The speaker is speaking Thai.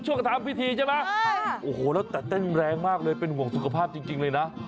กระทำพิธีใช่ไหมโอ้โหแล้วแต่เต้นแรงมากเลยเป็นห่วงสุขภาพจริงเลยนะ